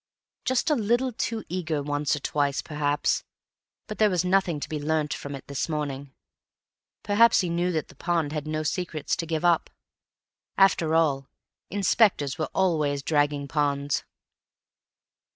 Just a little too eager once or twice, perhaps, but there was nothing to be learnt from it this morning. Perhaps he knew that the pond had no secrets to give up. After all, inspectors were always dragging ponds.